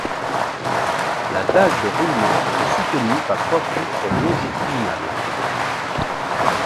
La dalle de roulement est soutenue par trois poutres longitudinales.